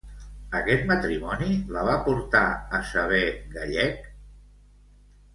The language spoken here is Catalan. Aquest matrimoni la va portar a saber gallec?